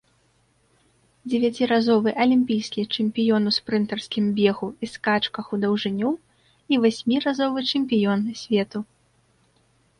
Дзевяціразовы алімпійскі чэмпіён у спрынтарскім бегу і скачках у даўжыню і васьміразовы чэмпіён свету.